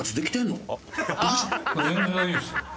全然大丈夫ですよ。